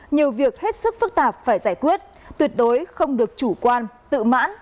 nhiều việc hết sức phức tạp phải giải quyết tuyệt đối không được chủ quan tự mãn